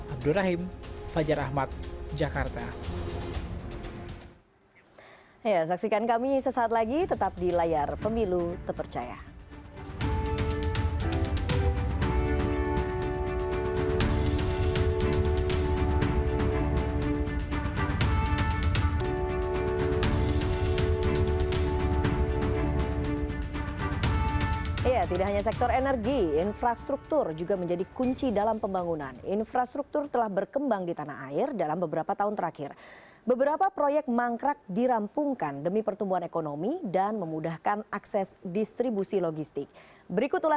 abdurrahim fajar ahmad jakarta